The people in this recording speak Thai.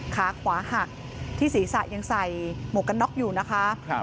ขาขวาหักที่ศีรษะยังใส่หมวกกันน็อกอยู่นะคะ